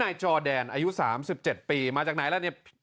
อายุ๓๗ปีมาจากไหนล่ะเนี่ย